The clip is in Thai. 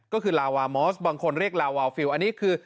ก็คือลาวามอสบางคนเรียกลาวาฟิลอันนี้คือ